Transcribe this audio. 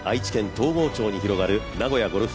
東郷町に広がる名古屋ゴルフ